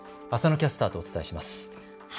浅野キャスターとお伝えします。